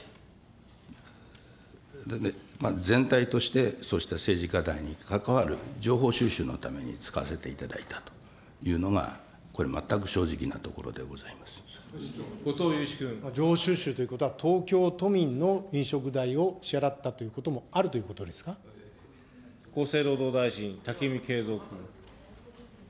全体としてそうした政治課題にかかわる情報収集のために使わせていただいたというのが、これ、全後藤祐一君。情報収集ということは東京都民の飲食代を支払ったということ厚生労働大臣、武見敬三君。